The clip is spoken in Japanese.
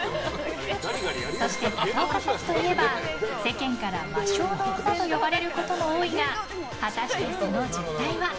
そして高岡早紀といえば世間から魔性の女と呼ばれることも多いが果たして、その実態は？